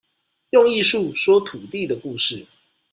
用藝術，說土地的故事